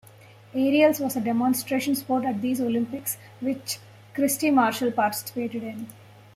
Aerials was a demonstration sport at these Olympics, which Kirstie Marshall participated in.